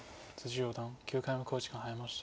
四段９回目の考慮時間に入りました。